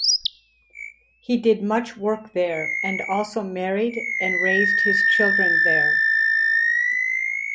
He did much work there and also married and raised his children there.